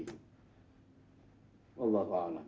memang dirman belaka ini sudah lupa diri